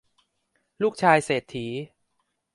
ลูกชายเศรษฐี